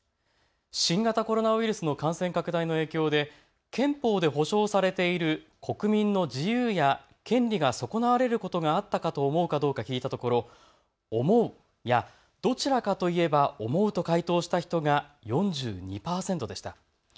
新型コロナウイルスの感染拡大の影響で憲法で保障されている国民の自由や権利が損なわれることがあったかと思うかどうか聞いたところ思うや、どちらかといえば思うと回答した人が４２％でした。